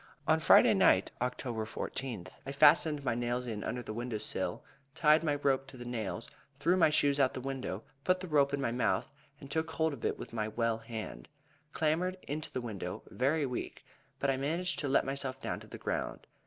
On Friday night, October 14th, I fastened my nails in under the window sill; tied my rope to the nails, threw my shoes out of the window, put the rope in my mouth, then took hold of it with my well hand, clambered into the window, very weak, but I managed to let myself down to the ground.